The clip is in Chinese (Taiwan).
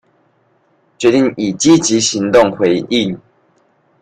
決定以積極行動回應